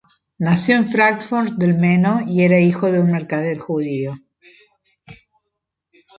Nació en Fráncfort del Meno y era hijo de un mercader judío.